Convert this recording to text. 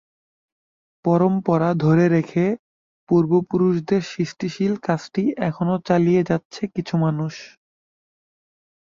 পরম্পরা ধরে রেখে পূর্বপুরুষদের সৃষ্টিশীল কাজটি এখনো চালিয়ে যাচ্ছে কিছু মানুষ।